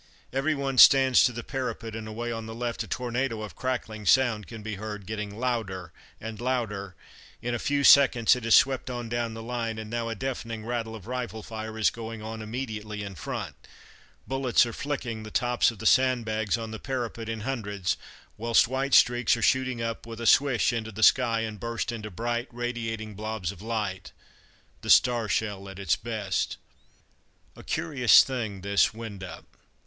Everyone stands to the parapet, and away on the left a tornado of crackling sound can be heard, getting louder and louder. In a few seconds it has swept on down the line, and now a deafening rattle of rifle fire is going on immediately in front. Bullets are flicking the tops of the sandbags on the parapet in hundreds, whilst white streaks are shooting up with a swish into the sky and burst into bright radiating blobs of light the star shell at its best. A curious thing, this "wind up."